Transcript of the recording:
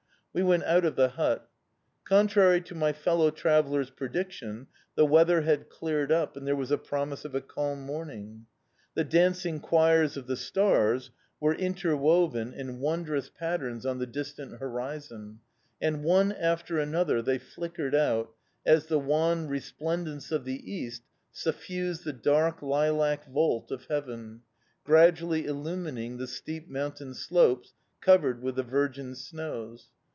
We went out of the hut. Contrary to my fellow traveller's prediction, the weather had cleared up, and there was a promise of a calm morning. The dancing choirs of the stars were interwoven in wondrous patterns on the distant horizon, and, one after another, they flickered out as the wan resplendence of the east suffused the dark, lilac vault of heaven, gradually illumining the steep mountain slopes, covered with the virgin snows.